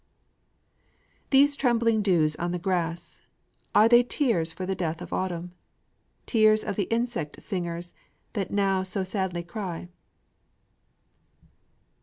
These trembling dews on the grass are they tears for the death of autumn? Tears of the insect singers that now so sadly cry?